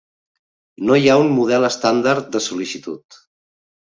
No hi ha un model estàndard de sol·licitud.